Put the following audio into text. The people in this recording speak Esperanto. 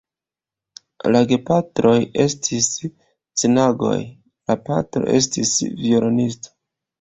La gepatroj estis ciganoj, la patro estis violonisto.